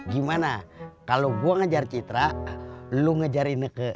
gimana kalau gue ngejar citra lu ngejar ineke